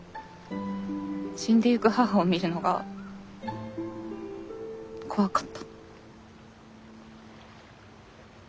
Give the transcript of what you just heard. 死んでゆく母を見るのが怖かった。